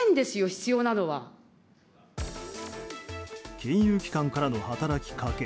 金融機関からの働きかけ